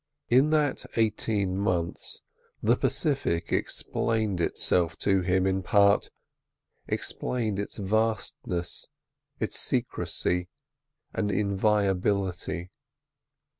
In that eighteen months the Pacific explained itself to him in part, explained its vastness, its secrecy and inviolability.